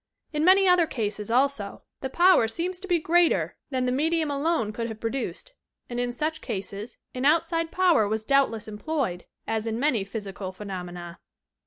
In many other cases, also, the power seems to be greater than the medium alone 144 YOUR PSYCHIC POWERS could have produced, and in such eases an outside power was doubtless employed, as in many "physical pheno mena.'"